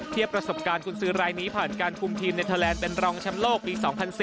เทียบประสบการณ์คุณซือรายนี้ผ่านการคุมทีมเนทาแลนด์เป็นรองชำโลกปี๒๐๑๐